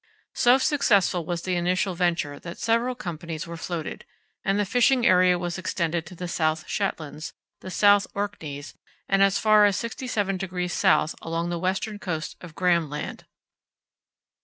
So successful was the initial venture that several companies were floated, and the fishing area was extended to the South Shetlands, the South Orkneys, and as far as 67° S along the western coast of Graham Land.